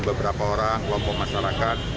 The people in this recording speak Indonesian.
beberapa orang kelompok masyarakat